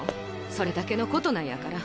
それだけのことなんやから。